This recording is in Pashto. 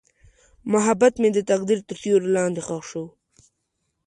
محبت مې د تقدیر تر سیوري لاندې ښخ شو.